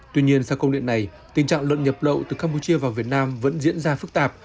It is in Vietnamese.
tuy nhiên sau công điện này tình trạng lợn nhập lậu từ campuchia vào việt nam vẫn diễn ra phức tạp